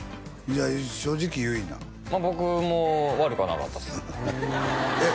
正直言いな僕も悪くはなかったですえっ